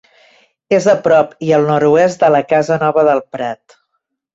És a prop i al nord-oest de la Casa Nova del Prat.